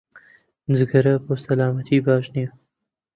جگەرە بۆ سڵامەتی باش نییە